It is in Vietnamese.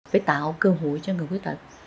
phải tạo cơ hội cho người khuyết tật